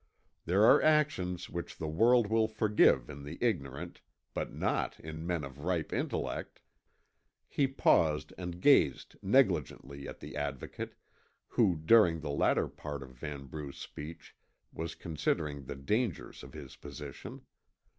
There are actions which the world will forgive in the ignorant, but not in men of ripe intellect." He paused and gazed negligently at the Advocate, who during the latter part of Vanbrugh's speech, was considering the dangers of his position.